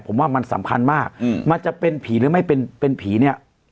ผมว่ามันสำคัญมากมันจะเป็นผีหรือไม่เป็นเป็นผีเนี่ย